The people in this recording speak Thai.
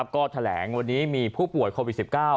ก็แถลงวันนี้มีผู้ป่วยโควิด๑๙